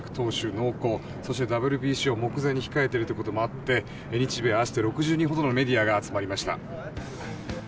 濃厚そしてＷＢＣを目前に控えているということもあって日米、合わせて６０人ほどのメディアが集まりました。